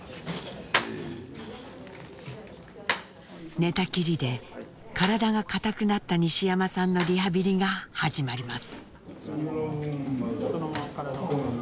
寝たきりで体が硬くなった西山さんのリハビリが始まります。